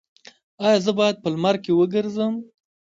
ایا زه باید په لمر کې وګرځم؟